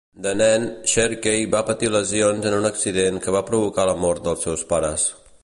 De nen, Sherkey va patir lesions en un accident que va provocar la mort dels seus pares.